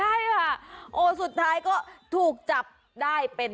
ใช่ค่ะโอ้สุดท้ายก็ถูกจับได้เป็น